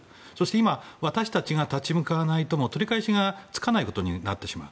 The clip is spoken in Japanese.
今私たちが立ち向かわないと取り返しがつかないことになってしまう。